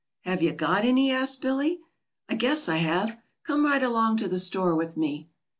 "Have you got any?" asked Billy. "I guess I have. Come right along to the store with me."